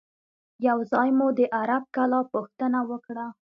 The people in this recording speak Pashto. یو ځای مو د عرب کلا پوښتنه وکړه.